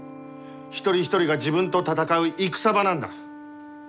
一人一人が自分と戦う戦場なんだ。